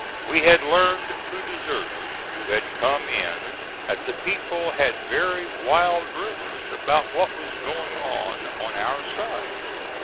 We had learned through deserters who had come in that the people had very wild rumors about what was going on on our side.